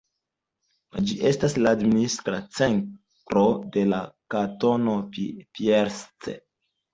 Ĝi estas la administra centro de Kantono Pierce.